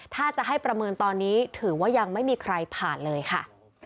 ถ้าจะให้ประเมินตอนนี้ถือว่ายังไม่มีใครผ่านเลยค่ะ